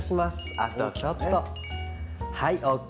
あとちょっと。